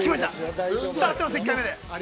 ◆伝わってます、１回目で。